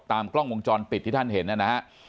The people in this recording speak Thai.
ตามกล้องวงจรปิดที่ท่านเห็นนะครับ